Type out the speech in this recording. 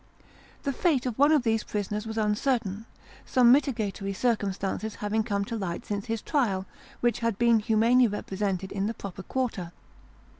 The fate of one of these prisoners was uncertain ; some mitigatory circumstances having come to light since his trial, which had been humanely repre sented in the proper quarter.